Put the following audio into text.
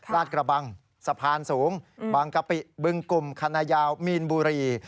ลาดกระบังสะพานสูงบางกะปิบึงกลุ่มคณะยาวมีนบุรี